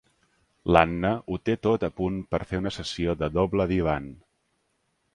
L'Anna ho té tot a punt per fer una sessió de doble divan.